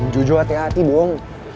jujur hati hati bohong